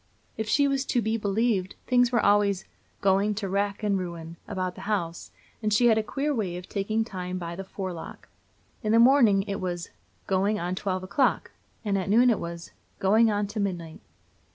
If she was to be believed, things were always "going to wrack and ruin" about the house; and she had a queer way of taking time by the forelock. In the morning it was "going on to twelve o'clock," and at noon it was "going on to midnight."